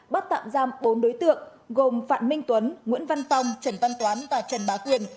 bắt tạm giam bốn đối tượng gồm phạm minh tuấn nguyễn văn phong trần văn toán và trần bá quyền